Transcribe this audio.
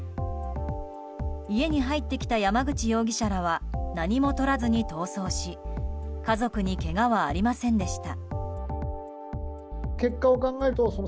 家に入ってきた山口容疑者らは何も取らずに逃走し家族にけがはありませんでした。